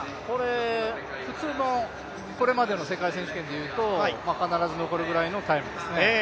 これ普通の、これまでの世界選手権でいうと必ず残るぐらいのタイムですね。